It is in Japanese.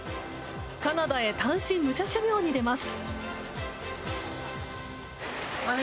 カナダへ単身武者修行に出ます。